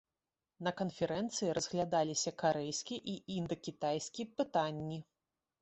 На канферэнцыі разглядаліся карэйскі і індакітайскі пытанні.